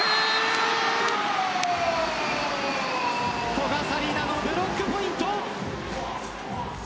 古賀紗理那のブロックポイント。